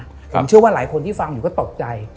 ผมเชื่อว่าหลายคนที่ฟังอยู่ก็ตกใจ